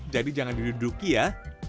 jadi jangan diduduki ya